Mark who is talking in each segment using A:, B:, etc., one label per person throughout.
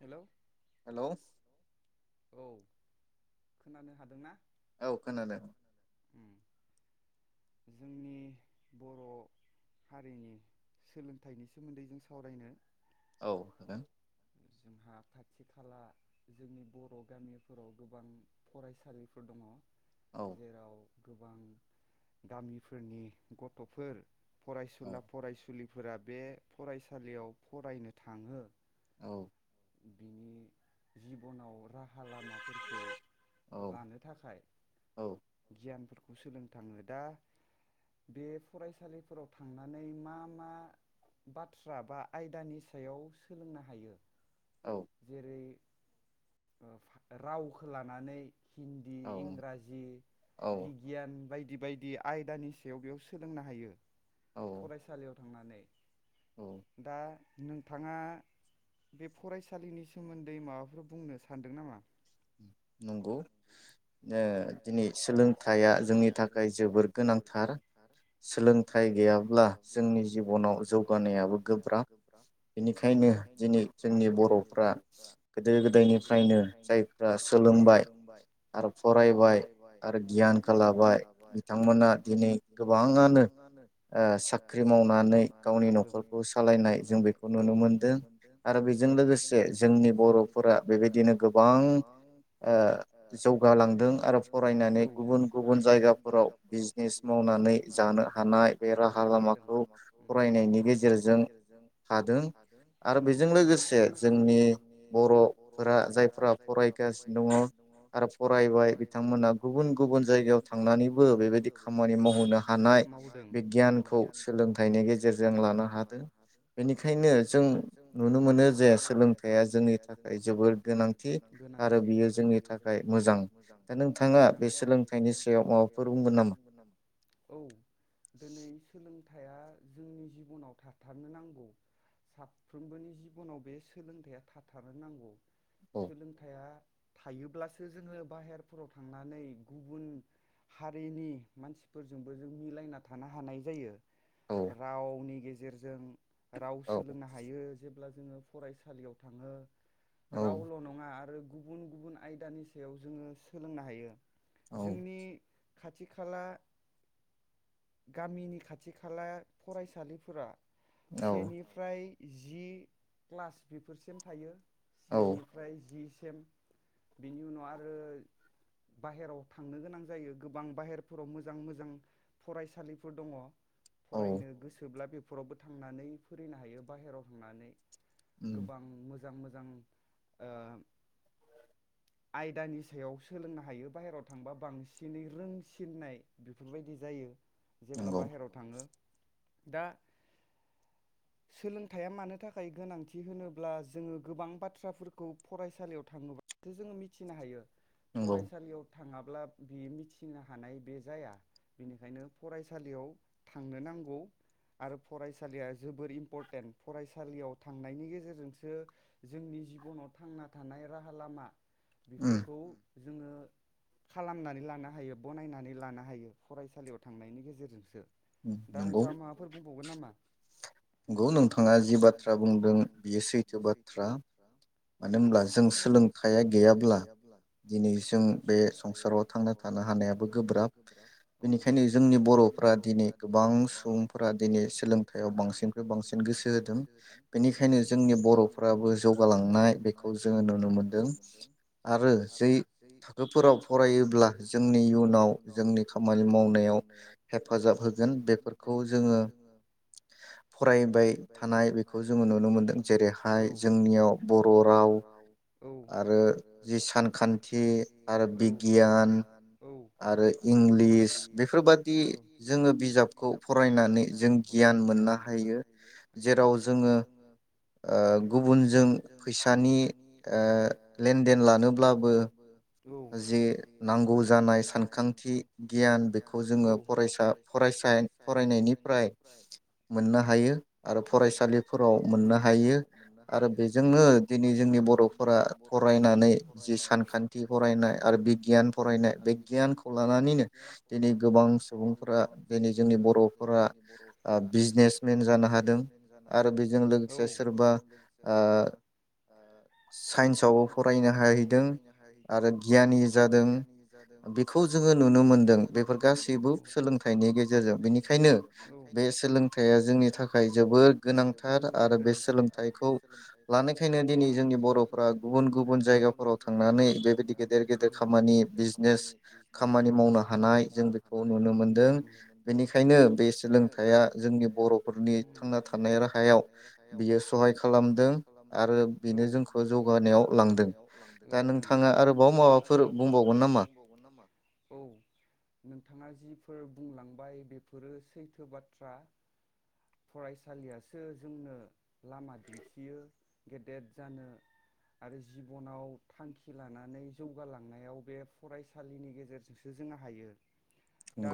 A: हेल'
B: hello
A: औ खोनानो हादोंना?
B: औ खोनादों।
A: जोंनि बर' हारिनि सोलोंथाइनि सोमोन्दै जों सावरायनो
B: औ होगोन।
A: जोंहा खाथि खाला जोंनि बर' गामिफोराव गोबां फरायसालिफोर दङ। जेराव गोबां गामिफोरनि गथ'फोर। फरायसुला फरायसुलि। फोरा बे फरायसालियाव फरायनो थाङो। बिनि जिबननाव राहा लामाफोरखौ लानो थाखाय गियान सोलों थाङो दा बे फरायसालिफोराव थांनानै मा मा बाथ्रा बा आयदानि सायाव सोलोंनो हायो। जेरै ओ रावखौ लानानै हिन्दी इंराजि बिगियान बाय जिबायदि आयदानि सायाव बेयाव सोलोंनो हायो। फरायसालियाव थांनानै दा नोंथाङा बे फरायसालिनि सोमोन्दै माबाफोर बुंनो सानदों नामा?
B: नंगौ। ओ दिनै सोलोंथाइया जोंनि थाखाय जोबोर गोनांथार सोलोंथाइ गैयाब्ला जोंनि जिबनाव जौगानायाबो गोब्राब बेनिखायनो दिनै जोंनि बर'फ्रा गोदो गोदायनिफ्रायनो जायफ्रा सोलोंबाय आर
A: [unintelligible]
B: ओ जौगा
A: औ।
B: गासिनो दङ आरो फरायबाय बिथांमोना गुबुन गुबुन जायगायाव थांनानैबो बेबायदि खामानि मावहोनो हानाय बे गियानखौ सोलोंथाइनि गेजेरजों लानो हादों बेनिखायनो जों नुनो मोनो जे सोलोंथाइया जोंनि थाखाय जोबोर गोनांथि। दा बियो जोंनि थाखाय
A: [unintelligible] औ दिनै सोलोंथाइआ जोंनि जिबनाव थाथारनो नांगौ साफ्रोमबोनि जिबनाव बे सोलोंथाइया थाथारनो नांगौ। सोलोंथाइआ थायोब्लासो [inaudible] जोङो बाहेरफोराव थांनानै गुबुन हारिनि मानसिफोरजोंबो जों मिलायना थानो हानाय जायो। [inaudible] रावनि गे गेजेरजों [inaudible] राव सोलोंनो हायो जेब्ला जोङो [inaudible] फरायसालियाव थाङो [inaudible] रावल' नङा आरो [inaudible] गुबुन गुबुन आयदानि [inaudible] याव जोङो सोलोंनो हायो। [inaudible] जोंनि [inaudible] खाथि खाला गामिनि खाथि खाला फरायसालिफोरा [inaudible] सेनिफ्राय। जि क्लास बेफोरसिम थायो। [inaudible] सेनिफ्राय जि [inaudible] बिनि उनाव [inaudible] आरो बाहेराव थांनो गोनां जायो गोबां बाहेरफोराव मोजां मोजां फरायसालिफोर दङ [inaudible] फरायनो गोसोब्ला बे [inaudible] बेफोर -फोरावबो थांनानै फैरिनो हायो बाहेरायाव थांनानै। [inaudible] गोबां मोजां [inaudible] मोजां -मोजां अ [inaudible] आयदानि सायाव सोलोंनो हायो बाहेरायाव थांबा बांसिनै रोंसिननाय बेफोरबायदि जायो। जेब्ला बाहेराव थाङो। दा सोलोंथाइया मानो थाखाय गोनांथि होनोब्ला जोङो गोबां बाथ्राफोरखौ फरायसालियाव थाङोब्ला जोङो मिथि थिनो हायो। फरायसालियाव थाङाब्ला बेयो मिथिनो हानाय बे जाया बेनिखायनो फरायसालियाव थांनो नांगौ आरो फरायसालिया जोबोर इम्परटेन्ट फरायसालियाव थांनायनि गेजेरजोंसो जोंनि जिबनाव थांना थानाय राहा लामा। [inaudible] बेफोरखौ [inaudible] जोङो खालामनानै लानो हायो बनायनानै लानो हायो फरायसालियाव थांनायनि गेजेरजोंसो। [inaudible] दा नोंथाङा माबाफोर बुंबावगोन नामा? [inaudible]
B: नंगौ नोंथाङा जि बाथ्रा बुंदों बियो सैथो बाथ्रा। मानो होनब्ला जों सोलोंथाइया गि
A: थाया गैयाब्ला दिनै जों बे संसाराव थांना -थानो हानायाबो गोब्राब। औ बेनिखायनो जोंनि बर'फ्रा दिनै गोबां सुबुंफोरा दिनै सोलोंथाइयाव बांसिनफ्राय -बांसिन गोसो होदों बेनिखायनो जोंनि बर'फ्राबो जौ [inaudible]
B: नाय बेखौ जोङो नुनो मोन्दों। आरो जै थाखोफोराव फरायोब्ला जोंनि इयुनाव जोंनि खामानि मावनायाव हेफाजाब होगोन बेफोरखौ जोङो फरायबाय थानाय बेखौ जोङो नुनो मोनदों जेरैहाय जोंनियाव
A: याव बर' राव औ आरो जि सानखान्थि औ बिगियान औ आरो इंलिस बेफोरबायदि जोङो बिजाबखौ फरायनानै गियान मोननो हायो जेराव जोङो अ गुबुन जो
B: फैसानि ओ लेन देनलानोब्लाबो जि नांगौ जानाय सानखांथि गियान बेखौ जोङो फरायसा- फरायसा फरायनायनिफ्राय मोननो हायो आरो फरायसालिफोराव मोननो हायो आरो बेजोंनो दिनै जोंनि बर'फोरा फोराय नानै जि सानखान्थि फरायनाय आरो बिगियान फरायनाय बिगियानखौ लानानैनो दिनै गोबां सुबुंफोरा दिनै जोंनि बर'फोरा बिजनेसमेन जानो हादों आरो बेजों लोगोसे सोरबा अ साइन्सआव फरायनो हाहैदों आरो गियानि जादों बेखौ जोङो नुनो मोनदों बेफोर गासैबो सोलोंथाइनि गेजेरजों बेनिखायनो बे सोलोंथाइया जोंनि थाखाय जोबोर गोनांथार आरो बे सोलोंथाइखौ लानायखायनो दिनै जोंनि बर'फ्रा गुबुन -गुबुन जायगाफोराव थांनानै बेबायदि गेदेर- गेदेर खामानि बिजनेस खामानि मावनो हानाय जों बेखौ नुनो मोनदों। बेनिखायनो बे सोलोंथाइया जोंनि बर'फोरनि थांना थानाय राहायाव बियो सहाय खालामदों आरो बेनो जोंखौ
A: बेनो जोंखौ जौगानायाव लांदों -लांदों। दा नोंथाङा आरोबाव माबाफोर बुंबावगोन नामा? औ नोंथाङा जिफोर बुंलांबाय बेफोरो सैथो बाथ्रा फरायसालियासो जोंनो लामा दिन्थियो गेदेद जानो। आरो जिबनाव थांखि लानानै जौगालांनायाव बे फरायसालिनि गेजेरजोंसो जों हायो। दा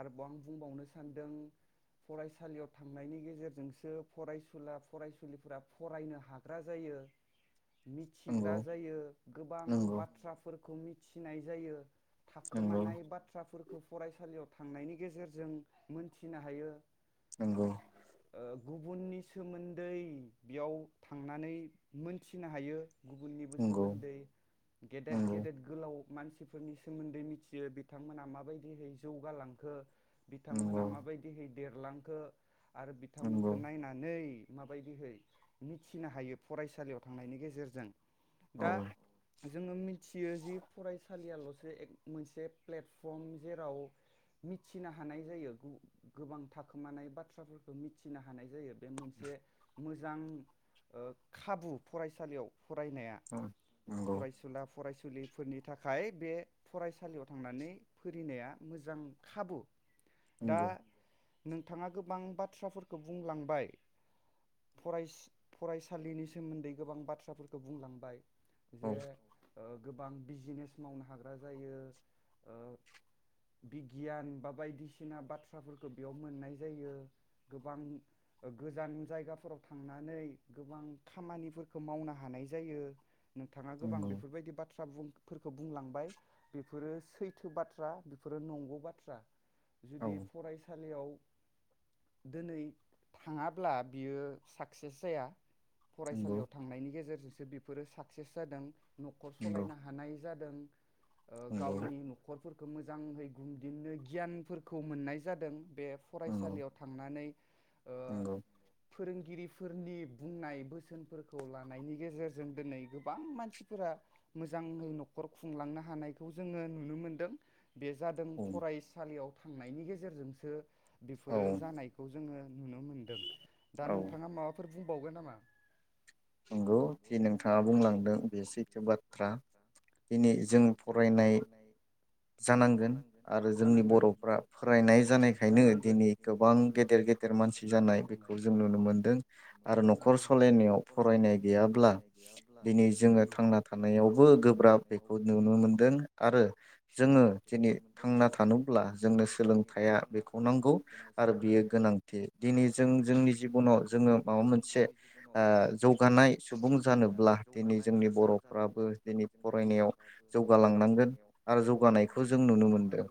A: आरोबाव आं बुंबावनोसै। सानदों फरायसालियाव थांनायनि गेजेरजोंसो फरायसुला फरायसुलिफोरा फरायनो हाग्रा जायो। मिथिग्रा जायो गोबां बाथ्राफोरखौ मि फिनाय जायो। थाखोमानाय बाथ्राफो फरायसालियाव थांनायनि गेजेरजों मोनथिनो हायो। ओ। गुबुननि सोमोन्दै बेयाव थांनानै मोनथिनो हायो। गुबुननिबो सोमोन्दै गेदेद गेदेद गोलाव मानसिफोरनि सोमोन्दै मिथियो बिथांमोना माबायदिहै जौगालांखो। बिथांमोना माबायदि हैद देरलांखो। आरो बिथांमोनखो नायनानै माबायदिहै मिथिनो हायो। फरायसालियाव थांनायनि गेजेरजों। दा। जोङो मिथियो जि फरायसालियाल'सो ए मोनसे प्लेटफर्म जेराव मिथिनो हानाय जायो गोबां थाखोमानाय बाथ्राफोरखौ मिथिनो हानाय जायो। बे मोनसे मोजां ओ खाबु फरायसालियाव। फरायनाया फरायसुला फरायस सुलिफोरनि थाखाय बे फरायसालियाव थांनानै फोनाया मोजां खाबु। दा। नोंथाङा गोबां बाथ्राफोरखौ बुंलांबाय फरायस फरायस सालिनि सोमोन्दै गोबां बाथ्राफोरखौ बुंलांबाय। [unintelligible] गोबां बिजिनेस मावनो हाग्रा जायो ओ बिगियान बा बायदिसिना बाथ्राफोरखौ बेयाव मोननाय जायो गोबां गोजान जायगाफोराव थांनानै। गोबां खामानिफोरखौ मावनो हानाय जायो। नोंथाङा गोबां बेफोरबायदि बाथ्रा बाथफोरखौ बुंलांबाय बेफोरो सैथो बाथ्रा बेफोरो नंगौ बाथ्रा। जुदि फरायसालियाव दोनै थाङाब्ला बियो साक्सेस जाया फरायसालियाव थांनायनि गेजेरजों बेफोरो साकसेस जादों नखर सालायनो हानाय जादों ओ गावनि नखर फोरखो मोजाङै गुमदिननो गियानफोरखौ मोननाय जादों बे फरायसालियाव थांनानै
B: नोंगौ
A: फोरोंगिरिफोरनि बुंनाय बोसोनफोरखौ लानायनि गेजेरजों दोनै गोबां मानसिफोरा मोजाङै नखर खुंलांनो हानायखौ जोङो नुनो मोनदों बे जादों फरायसालियाव थांनायनि गेजेरजोंसो बेफोरो जानायखौ जोङो नुनो मोनदों दा नोंथाङा माबाफोर बावगोन नामा?
B: नंगौ जि नोंथाङा बुंलांदों बे सैथो बाथ्रा दिनै जों फरायनाय जानांगोन आरो जोंनि बर'फोरा फोरायनाय जानायखायनो दिनै गोबां गेदेर गेदेर मानसि जानाय बेखौ जों नुनो मोनदों। आरो न'खर सालायनायाव फरायनाय गैयाब्ला दिनै जोङो थांना थानायावबो गोब्राब बेखौ नुनो मोन दों आरो जोङो दिनै थांना थानोब्ला जोंनो सोलोंथाइया बेखौ नांगौ आरो बियो गोनांथि। दिनि जों जोंनि जिबनाव जोङो माबा मोनसे ओ जौगानाय सुबुं जानोब्ला दिनै जोंनि बर'फ्राबो दिनै फरायनायाव जौगालांनांगोन आरो जौगानायखौ जों नुनो मोनदों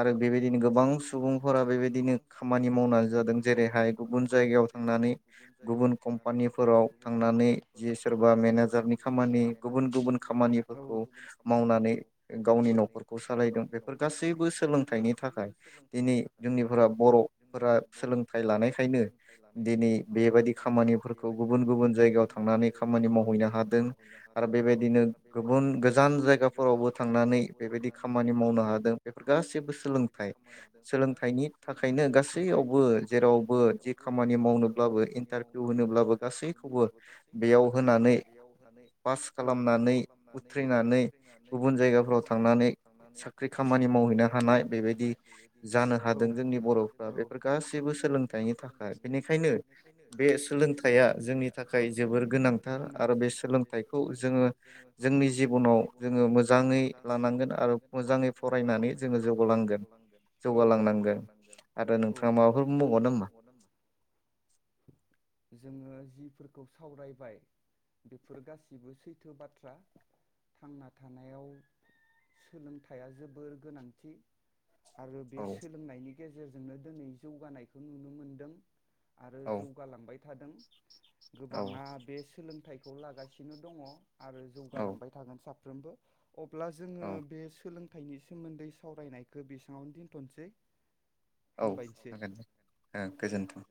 B: आरो बेबायदिनो गोबां सुबुंफोरा बेबायदिनो खामानि मावनानै जादों जेरैहाय गुबुन जायग
A: जेरैहाय गुबुन जायगायाव थांनानै गुबुन
B: नानै जि सोरबा मेनेजारनि खामानि गुबुन गुबुन खामानिफोरखौ मावनानै गावनि न'खरखौ सालायदों बेफोर गासैबो सोलोंथाइनि थाखाय दिनै जोंनिफोरा बर'फोरा सोलोंथाइ लानायखायनो दिनै बेबायदि खामानिफोरखौ गुबुन गुबुन जायगायाव थांनानै खामानि मावहैनो हादों आरो बेबायदिनो गुबुन गोजान जायगाफोरावबो थांनानै बेबायदि खामानि मावनो हादों बेफोर गासिबो सोलोंथाइनि थाखायनो गासैयावबो जेरावबो जि खामानि मावनोब्लाबो इन्टारभिउ होनोब्लाबो गासै बो बेयाव होनानै पास खालामनानै उथ्रिनानै गुबुन जायगाफ्राव थांनानै साख्रि खामानि मावहैनो हा बेबायदि जानो हादों जोंनि बर'फ्रा बेफोर गासैबो सोलोंथाइनि थाखाय बेनिखायनो बे सोलोंथाइया जोंनि थाखाय जोबोर गोनांथार आरो बे सोलोंथाइखौ जोङो जोंनि जिबनाव जोङो मोजाङै लानांगोन आरो मोजाङै फरायनानै
A: फरायनानै जोङो जौगालांगोन औ जौगालांनांगोन औ नोंथाङा माबाफोर बुंबावगोन नामा जोङो जिफोरखौ सावरायबाय बेफोर गासिबो सैथो बाथ्रा थांना थानायाव सोलोंथाइया जोबोर गोनांथि। आरो बे सोलोंनायनि गेजेरजोंनो दोनै जौगानायखौ नुनो मोनदों। आरो जौगालांबाय थादों। गोबाङा बे सोलोंथाइ खौ लागासिनो दङ। आरो जौगालांबाय थागोन साफ फ्रोमबो। अब्ला जोङो बे सोलों थायनि सोमोन्दै सावरायनायखौ बेसेङावनो दोनथ'नोसै।
B: औ जागोन दे ओं गोजोन्थों।